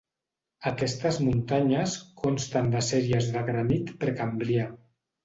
Aquestes muntanyes consten de sèries de granit precambrià.